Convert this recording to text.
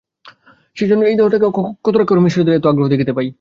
সেইজন্যই এই দেহটাকে অক্ষত রাখিবার জন্য মিশরীয়দের এত আগ্রহ দেখিতে পাই।